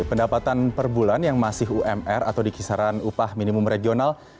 pendapatan per bulan yang masih umr atau di kisaran upah minimum regional